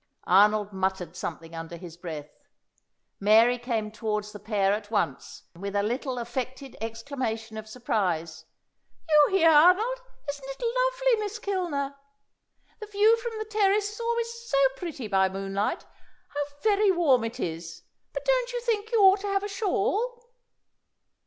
Arnold muttered something under his breath. Mary came towards the pair at once, with a little affected exclamation of surprise. "You here, Arnold! Isn't it lovely, Miss Kilner? The view from the terrace is always so pretty by moonlight. How very warm it is! But don't you think you ought to have a shawl?"